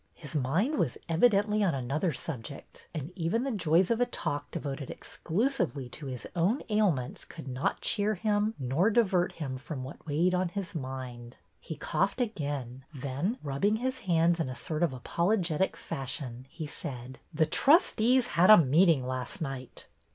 His mind was evidently on another subject, and even the joys of a talk devoted exclusively to his own ailments could not cheer him nor divert him from what weighed on his mind. He coughed once again, then, rubbing his hands in a sort of apologetic fashion, he said: The trustees had a meeting last night."